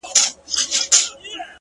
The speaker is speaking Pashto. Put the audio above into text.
د زړه له درده دا نارۍ نه وهم _